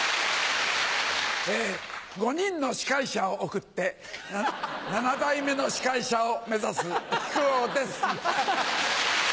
５人の司会者を送って７代目の司会者を目指す木久扇です。